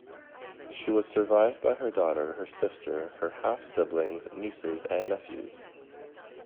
She was survived by her daughter, her sister, her half-siblings, nieces and nephews.